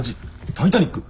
「タイタニック」？